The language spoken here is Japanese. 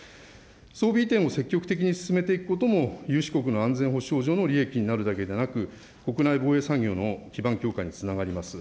装備移転を積極的に進めていくことも、有志国の安全保障上の利益になるだけでなく、国内防衛産業の基盤強化につながります。